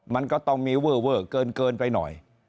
มันก็ต้องมีเวอร์เวอร์เกินไปหน่อย